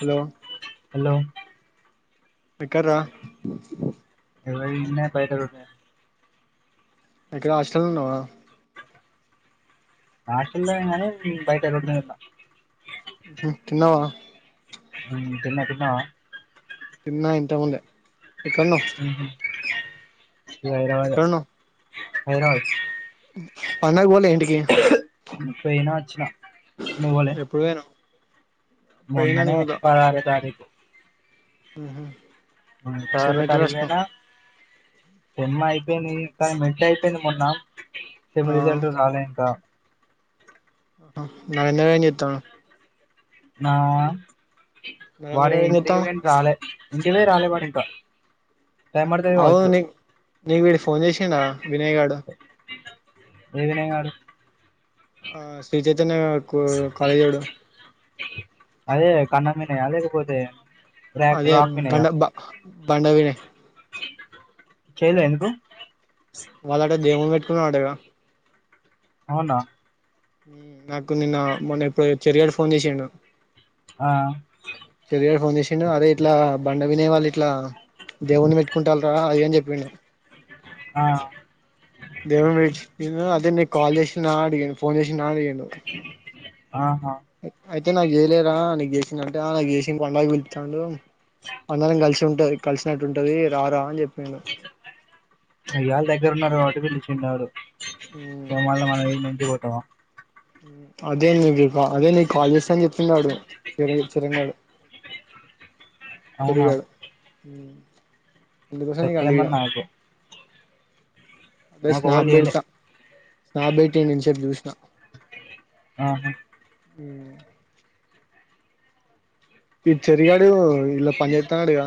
Hello hello బిక్కర ఎవన్న బైటతుడ ఎక్కడ హాస్టల్ లో ఉన్నావా? హాస్టల్లోనే కాని బయట రోడ్డు మీద ఉన్న ఉ తిన్నావా తిన్న తిన్నవ తిన్నా ఇంతకముందే ఎక్కడ ఉన్నవ్? హైదరాబాద్ హైదరాబాద్ పండగ పోలే ఇంటికి పోయినా వచ్చిన నువ్వు పోలే ఎప్పుడు పోయినవ్? పోయినా మొన్ననే నేను కూడా పదార తారీఖు ఉహు వస్తా సెమ్ ఆరో ఎట్ల తారీకు రాసినవ్ నేనా జన్మయ్ ఇది నీ టైమ్ ఎట్లా అయిపోయింది మొన్న సేమ్ ఆ రిజల్ట్ రాలే ఇంకా. అమ్ నాయన ఏం జేత్త నా నరేంద్ర వాడు గాడు ఏం ఇంటికి చేత్తాండు పొయిని రాలే చిన్నయ్య రానివ్వడు ఇంకా టైం పడుతుంది కావచ్చు అవునీ నీకు వీడు ఫోన్ చేసిండా వినయ్ గాడు వినయ్ గాడు ఆ శ్రీ చైతన్యగాడు కో కాలేజోడు నే అలేకపోతే అదే కండబ్బ పండగ పోయినాయ్ చేయేలే ఎందుకు వాళ్ళ అటే దేవుని పెట్టుకున్న అంటగా అవునా నాకు నిన్న మొన్న ఎప్పుడు చెర్రీ గాడు ఫోన్ చేసిండు ఆ చెర్రీ గాడు ఫోన్ చేస్ చిన్ను అదే ఇట్లా బండ వినేవాళ్ళు ఇట్లా దేవుడిని పెట్టుకుంటారు రా అది అని చెప్పిండు. ఆ దేవున్ని పెట్టిండు అదే నీ కాల్ చేసి నా అడిగేను ఫోన్ చేసి నా అడిగేను. ఆహా అయితే నాకు చేయలేరా నీకు చేసింది అంటే ఆ నాకు చేసిండు పండగ పిలుతాండు. అందరం కలిసి ఉంటది. కలిసినట్టు ఉంటది రారా అని చెప్ప అయ్యాళ్ళ దగ్గరు ఉన్నారు కాబట్టి పిలిసుంటారు. నువ్వు మ్ మళ్ళా మన ఈడ నుంచి పోతావా అదే నీకు అదే నీకు కాల్ చేసాని చెప్పిన్నాడు చిరాయి చిరంనాడు అవునా తిరిగాడు తుత్రేమో నాకు బేస్ నాకు ఎవరు చేయలే నాకుబెడత నాకు బెటి నిమిషద్ చూసిన ఆహా మ్ ఈ చెర్రి గాడు ఇలా పంచాయతీన్నాడుగా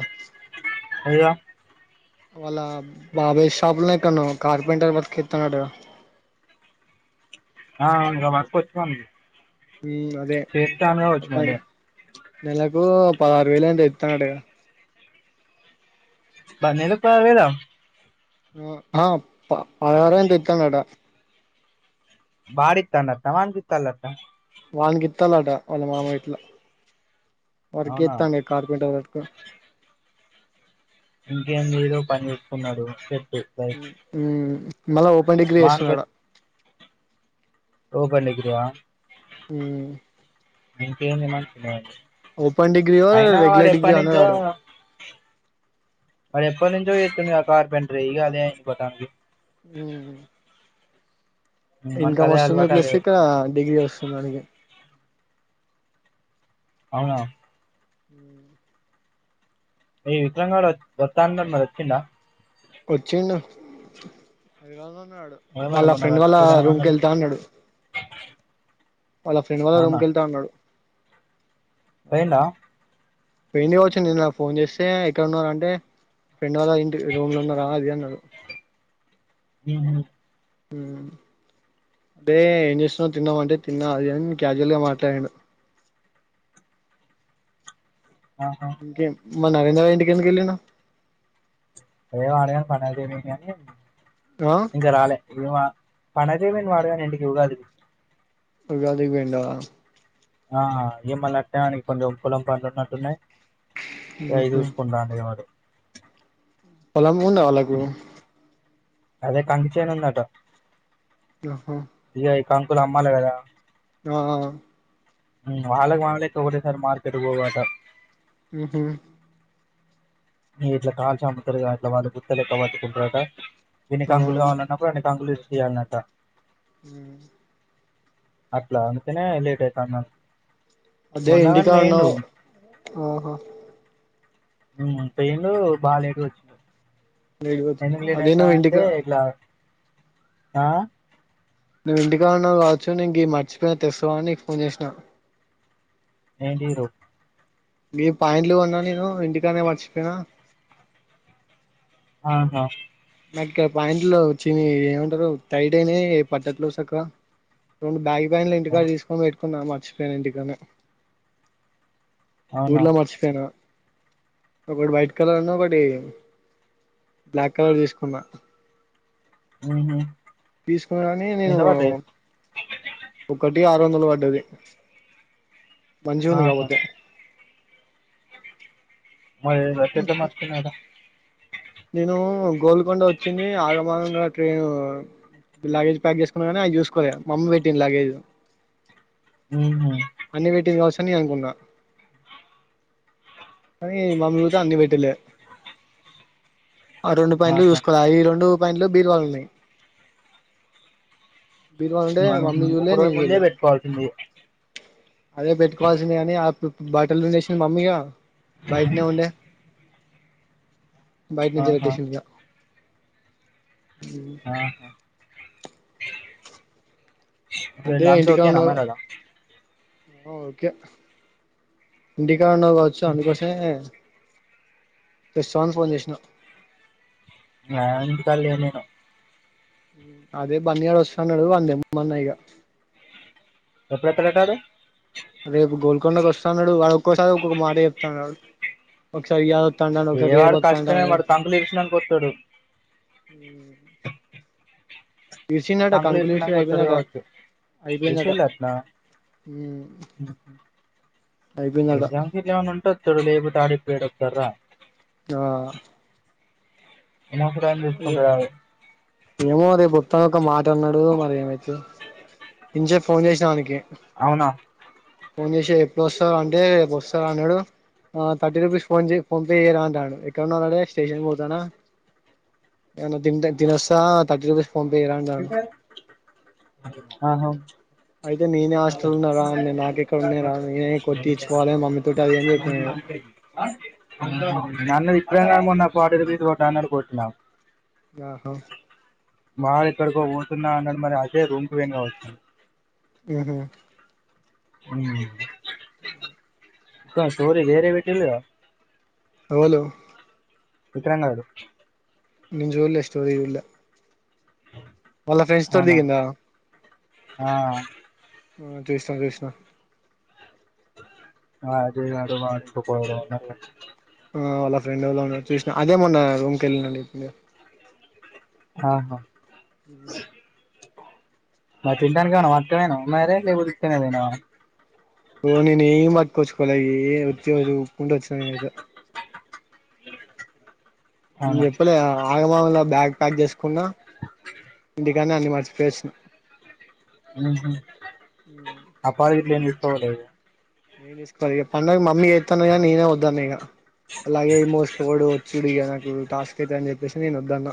ఇగ వాళ్ళ బాబయ్ షాపులో ఎక్కున్నో కార్పెంటర్ వర్క్ ఇత్తన్నాడు. ఆ ఇగ వర్కోచినం అ అదే నెల ఇ పదహారు వేలు ఎంతో చెప్తాండట కదా నెలకు [unintelligible] ఆ పదహారో ఎంతో ఇస్తాండట బరితన్లటనా వానికి ఇస్తాన్లతన వానీకి ఇస్తాలట వాళ్ళ మామ గిట్ల వర్క్ అవునా చేతండు కార్పెంటర్ వర్క్ ఇంకేం ఏదో పని చేసుకున్నాడు స మళ్ళా ఓపెన్ డిగ్రీ వానికి వచ్చి చేస్తున్నాడుఆడ ఓపెన్ డిగ్రీ వా ఉమ్ ఇంకే ఇనస్తలేదు డిగ్రీయో అయినా వాడు రెగ్యులర్ డిగ్రీ ఎప్పటి అన్నాడు నుంచో వాడు ఆడు ఎప్పటి నుంచో చేస్తాడు కదా కార్పెటరీ ఇగా అదే అయిపోతాది హ మనకు ఇన్కమ్ అదే వస్తుంది అలవాటు అదే ప్లస్ ఇక్కడ వచ్చింది డిగ్రీ వస్తుంది ఆనకి అవునా ఈ విక్రమ్ గాడు వస్తా అన్నాడు మరి వచ్చిండా వచ్చిండు ఏమైనా వాళ్ళ మొన్న ఫ్రెండ్ వాళ్ళ రూమ్ కి కలిసిపోతానమన్నాడు వెళ్తా అన్నాడు వాళ్ల ఫ్రెండ్ వాల రూమ్ అవునా కెళ్తా అన్నాడు ఆ పోయిండా పోయిండు కావచ్చు నిన్న నాకు ఫోన్ చేస్తే ఎక్కడ ఉన్నవూర అంటే ఫ్రెండ్ వాళ్ల ఇంటి రూమ్ ల ఉన్నారా అది ఇది అన్నాడు హు హ్మ్ అదే ఎం చేస్తునావు తిన్నావంటే తిన్న అది ఇది అని కజువల్గా మాట్లాడిండు ఆహా మ నవీన్ వల్ల ఇంటికెందుకెళ్ళినవు ఏమో అడే పండగా చేయడానికి అని ఆ ఇంకా రాలే పండగకు పోయిండు గా ఇంటికి ఉగాదికి ఉగాదికి పోయిండా ఆ ఇగ మల్ల ఆస్తి ఆనికి కొంచెం పొలం పనులు ఉన్నట్టున్నాయి అయి ఉహు చూసుకుంట డు వాడు పొలం ఉందా వాళ్లకు అదే కంది చేను ఉందంట ఆహా కంకులు అమ్మాలి కదా ఆ ఆహా వాళ్ళకి మన లెక్క ఒకటే సారి మార్కెట్ పోవట ఉహు ఇట్లా కాల్చి అమ్ముతారు కదా వాళ్లు గుత్త లెక్క పట్టుకూటరట ఇన్ని ఆ కంగులు కావలన్నప్పుడు అన్ని కంగలు ఇరిసి ఈయలనట అట్లా అందుకనే లేేట్ అయితండి అదే ఇంటికాడనఊ ఆహా హు ట్రైను బాగా లేట్ వచ్చింది లేట్ గా వచ్చిందా ఎందుకు లేట్ అదే అయింది నువ్వు అంటే ఇంటికా ఇట్లా అహా నువ్వు ఇంటికాడ ఉన్నావు కావచ్చు నెను నేను గీయి మర్చిపోయిన తెస్తావు కవచు అని నీకు ఫోన్ చేసినా ఏంటి రో గీ పాయింట్లు కొన్నా నేను ఇంటికానే మర్చిపోయినా ఆహా నాకు ఇక్కడ పాయింట్లు చీ ఏమంటారు టైట్ అయినయ్ పట్టట్లేవు సక్కగా రెండు బ్యాగి పాయింట్లు ఇంటికాడ తీసుకొని పెట్టుకున్నా మర్చిపోయిన ఇంటికానే అవునా ఊర్లా మర్చిపోయిన ఒకటి వైట్ కలర్ను ఒకటి బ్లాక్ కలర్ తీసుకు కున్నా హుహు తీసుకొని నేను ఒకటి ఆక్ తొందులు పడ్డది మంచిగా ఉంది ఆహా కాపోతే గట్టెట్ట మర్చిపోయినవ్ రా నేను గోల్కొండ వచ్చింది ఆగమాగంగా ట్రైను లాగేజ్ ప్యాక్ చేసుకున్నా కానీ అయ్యి చూసుకోలే మమ్మీ పెట్టింది లాగేజ్ మ్మ్ అన్ని పెట్టింది కావచ్చు అని నేనఅనుకున్నా కానీ మమ్మీ సూత అన్ని పెట్టలే ఆ రెండు పాయింట్లు ఆహా చూసుకోలే అయ్యి రెండు పాయింట్లు బీరువాల ఉన్నాయి బీరువాల ఉంటే మనం మమ్మీ ఒక చూలే రోజు నేను ముందే చూలే పెట్టుకోవాల్సింది అదే పెట్టుకోవాల్సింది కానీ ఆ బట్టలు ఉండేసింది మమ్మీగా బయటనే ఉండే బయట నుంచి ఆహా పెట్టేసిందిగా ఆహా అదే అంత ఇంటికాడ ఓకేనా ఉన్నావు మరలా ఓకే ఇంటికాడ ఉన్నవ్ కావచ్చు అందుకోసమే తెస్తావని ఫోన్ చేసిన ఆ ఇంటికాడ లేను నేను అదే బన్నీ గాడు వస్తన్నాడు వాన్ని తెమ్మన్నా ఇగ ఎప్పుడు వస్తాడట ఆడు రేపు గోల్కొండకి వస్తన్నాడు వాడు ఒక్కోసారి ఒక్కొక్క మాట చెప్తాన్నాడు వాడు ఒకసారి అంటాండు ఒకసారి ఏ రేపు వాడు వత్తా కష్టమే అంటాండు వాడు కంకులు ఇరిసినంక వస్తాడు హు ఇరిసిండాట కంకులు ఇరిసినాక ఇరుసుడు వస్తాడు అయిపోయిందట కావచ్చు అయిపోయిందట ఇరిసిల్లు అట్లా ఉ ఎగ్జామ్స్ గిట్ల ఏమన్నా ఉంటే వస్తాడు లేకపోతే వాడు ఇప్పుడే ఏడ వస్తాడురా ఆ ముసలి ఆయన చూసుకుంటాడు ఆడు ఏమో రేపు తా ఒక మాట అన్నాడు మరి ఏమైతదో ఇంచేపు ఫోన్ చేసిన ఆనికి అవునా ఫోన్ చేసి ఎప్పుడు వస్తావురా అంటే రేపు వస్తా అన్నాడు ఆ థర్టీ రూపీస్ ఫోన్ చే ఫోన్పే చెయ్యరా అంటాండు ఎక్కడున్నావ్ రా అంటే స్టేషన్ పోతానా ఏదైనా తింటే తినొస్తా థర్టీ రూపీస్ ఫోన్పే చెయ్ రా అంటాండు ఆహా అయితే నేనే హాస్టల్ల ఉన్నారా నేను నాకెక్కడ ఉన్నాయి రా నేనే కొట్టిచ్చుకోవాలే మమ్మీతోటి అది అని చెప్పిన నేను నన్ను దింపినంక ఫార్టీ రూపీస్ కొట్టు అన్నాడు కొట్టిన ఆహో వాడు ఎక్కడికో పోతున్న అన్నాడు మరి అజయ్ రూముకి పోయిండు కావచ్చు హుహు స్టోరీ వేరే పెట్టిండుగా ఎవలు విక్రమ్ గాడు నేను చూల్లే స్టోరీ చూల్లే వాళ్ళ ఫ్రెండ్స్ తోనీ అవునా దిగిందా ఆ ఆ చూసినా చూసినా ఆ అదే వాడు వా చకో [unintelligible] ఆ వాళ్ళ ఫ్రెండ్ ఉల్ చూసినా అదే మొన్నా రూమ్కి వెల్లిండని చెప్పిన అహా అ మా తింటానికి పత్కపోయిన ఉన్నాయ ఓ నేను ఏ పట్కో వచ్చకోలాగగి ఏ వతిదు ఉపు కుంట వచ్చన నేను అవునా చెప్పలే ఆగమగం బ్యాగ్ ప్యాక్ చేసుకున్నా ఇంటికాడనే అన్ని మర్చిపోయి వచ్చిన హుహు అప్పాలు గిట్ల ఏం తీసుకపోలేదు నేను తీసుకోవాలి ఇక పండగ మమ్మీ చేత్తాన్న ఇగ నేనే వద్దాన్నా ఇంగా అలాగే మోసుకోపోడు వచ్చింది ఇక నాకు టాస్క్ అయితు అని చెప్పేసి నేను వద్దన్న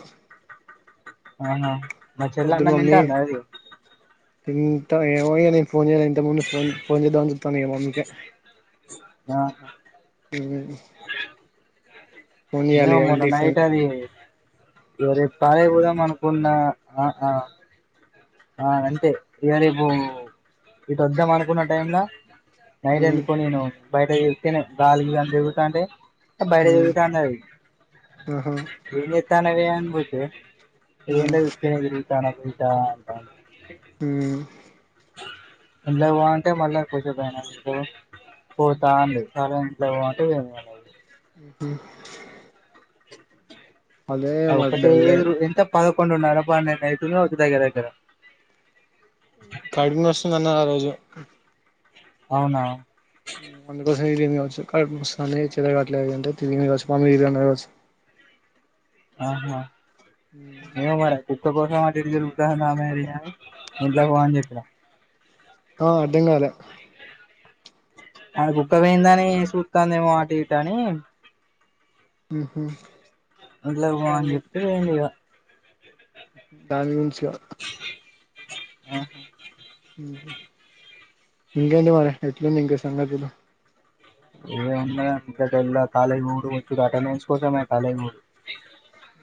ఆహా మా చెల్ల వద్దు అన్నం తింటా మమ్మీ అన్నాది ఇంత ఏమో నేను ఫోన్ చేయాలి ఇంత ముందు ఫోన్ ఫోన్ చేద్దామని చత్తాను ఏమో మ్మీకే ఆ ఉ ఏమో మొన్న ఫోన్ నైట్ చే అది ప్లోరే పాయి కి పోదం అనుకున్న ఆ అంతే ఇక రేపు ఇటు వద్దాం అనుకున్న టైమ్లా నైట్ హ్మ్ అందుకో నేను బయట ఇత్తేనే నాలుగు వంద ఎగుతా అంటే బయట హ్మ్ తిరుగుతున్నది ఆహా తనవే పో హ్మ్ ఏ వి తన అంట ఇండ్లకు పో అంటే మళ్ళా కూర్చిపోయినాకు పోతా అండి చాలా ఇంట్లో ఉంటుంది ఏ ఉహు ఆ ఒక్కటే డల్ అయింది ఎంత పద్ పదకొండున్నర్ర పన్నేండు అయితుందో దగ్గర దగ్గర కడుపునస్తుంది అన్నారోజు అవునా అందుకోసంమి కావచ్చు కడుపు నొస్తాంది కాట్లే తినేది అంటేమి కావచ్చు మమ్మీ కావచ్చు ఆహా ఏ మరి కుక్క కోసం అటు ఇటు తిరుగుతాంది ఆమె ఇంట్లోకి పో అని చెప్పిన ఆ అర్దం కాలే అ బుక్క పోయిందని చూస్తంద ఏమో అటు ఇట అని ఉహు ఇంట్లోకి పో దాని అని గురి చెప్పి ఇగ దాని గురించిగా ఆ ఉహు ఇంకేంటి మరి ఎట్లుంది ఇంకా సంగతులు ఇంకేముంది ఇంక వెళ్ళ కాలేజ కి పోవుడు వచ్చు అటెండెన్స్ కోసమే కాలేజ్ కి డు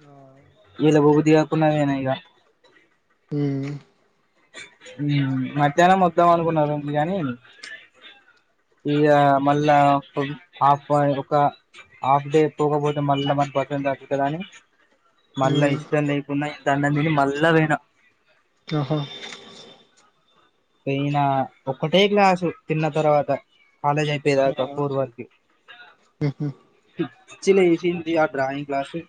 ఆ పోబుద్ధియాకున్నావనా ఇగా ఉ మధ్యాహ్నం వద్దాం అనుకున్నా రూంకి కానీ ఇక మళ్ళా హాఫ్ ఒక హాఫ్ డే పోకపోతే మళ్ళీ మ పక్కం దట్ కదా అని మళ్ళా ఉమ్ ఇష్టం లేకుండా ఇంత అన్నం తిని మళ్ళా పోయిన ఆహో పోయిన ఒక్కటే క్లాసు తిన్న తర్వాత కాలేజ్ అయిపోయేదాకా ఫోర్ వర్కి ఉహు చిలే ఏసింది ఆ డ్రాయింగ్ క్లాసు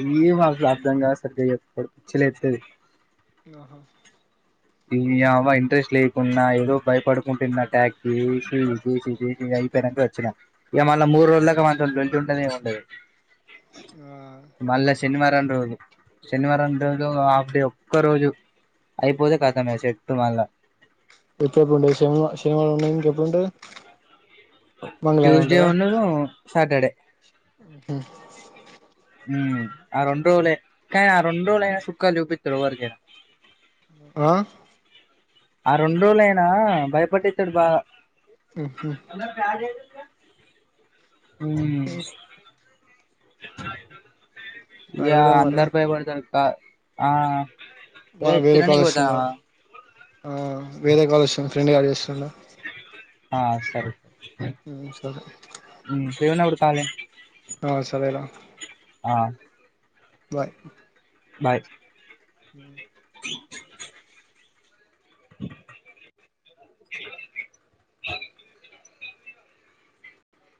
ఏమీ అసలు అర్థం కాదు సరిగా పిచ్చలేతది ఇంగ్ ఆహ నీయబ్బ ఇంట్రెస్ట్ లేకున్నా ఏదో భయపడుకుంటునట్టు యాక్ట్ చేసి చూసి చూసి అయిపోనక వచ్చిన ఏమ మళ్ళ మూడు రోజులదాక మాత్రం బెడ్ ఉండదు ఎమ్ ఉండదు. మళ్లే శనివారం రోజు శనివారం రోజు ఒక హాఫ్ డే ఒక్ ఒక్క రోజు అయిపోతే కథమే చెట్టు మళ్ళా ఎప్పుడు సినిమా ఎప్పుడుండ [unintelligible] శ శనివారం ఉన్నా ఇంక ఎప్పుడు ఉంటది. మంగళవారం ట్యూస్డే ఉండదు సాటర్డే ఆ హ ఉ ఆ రెండులే కా ఆ రెండు రోజులే చూక్కాలు చూపిత్తరు ఒఒరికి ఆ ఆ రెండులేనా భయపట్టితాడు బాగా ఉహు ఉ ఇగా సరేరా మరి అందరు బయపడుతారు త ఆ మా యే వేరే కాల్ తినేనికి వస్తుంది పోతావా ఆగు ఆ వేరే కాల్ వస్తుంది ఫ్రెండ్ కాల్ చేస్తుందా ఆ సరే సరే ఉ శ్రీనగర్ కాలనీ ఆ సరేరా ఆ బాయ్ బాయ్ ఉ